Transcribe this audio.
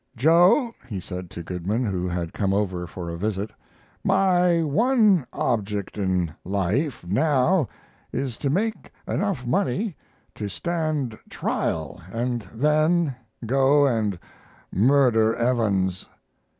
"Joe," he said to Goodman, who had come over for a visit, "my one object in life now is to make enough money to stand trial and then go and murder Evans."